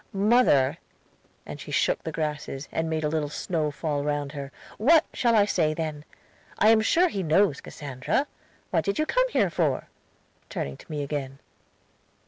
"'Mother," and she shook the grasses, and made a little snow fall round her; 'what shall I say then? I am sure he knows Cassandra. What did you come here for?' turning to me again.